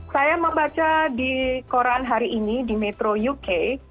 saya membaca di koran hari ini di metro uk